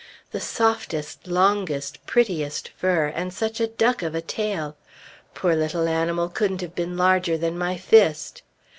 The softest, longest, prettiest fur, and such a duck of a tail! Poor little animal couldn't have been larger than my fist.